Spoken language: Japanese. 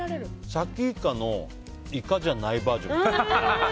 サキイカのイカじゃないバージョン。